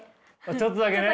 ちょっとだけね。